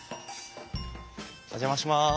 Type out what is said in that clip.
お邪魔します。